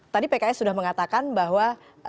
tadi pks sudah mengatakan bahwa